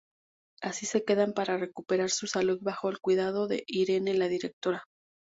Allí se quedan para recuperar su salud bajo el cuidado de Irene, la directora.